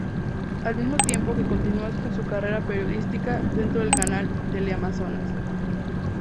Al mismo tiempo que continua con su carrera periodística dentro del canal Teleamazonas.